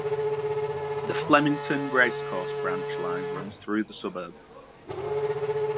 The Flemington Racecourse branch line runs through the suburb.